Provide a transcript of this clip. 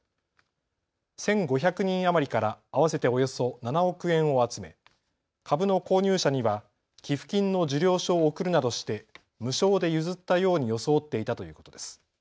１５００人人余りから合わせておよそ７億円を集め株の購入者には寄付金の受領書を送るなどして無償で譲ったように装っていたということです。